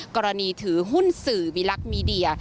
กรณีถือหุ้นสื่อวิลักษณ์มีเดีย